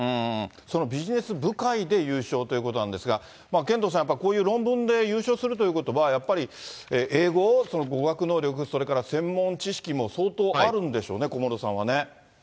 そのビジネス部会で優勝ということなんですが、ケントさん、やっぱりこういう論文で優勝するということは、やっぱり英語、語学能力、それから専門知識も相当あるんでしょうね、小室さんはね。